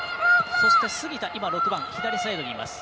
そして杉田今６番、左サイドにいます。